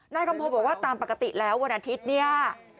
คำโพบอกว่าตามปกติแล้ววันอาทิตย์เนี่ย